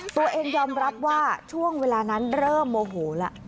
ตัวเองยอมรับว่าช่วงเวลานั้นเริ่มโมโหแล้ว